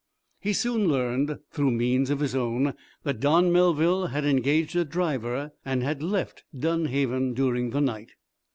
He soon learned, through means of his own, that Don Melville had engaged a driver and had left Dunhaven during the night.